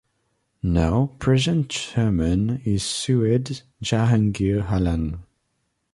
Now present chairman is Sued Jahangir Alam.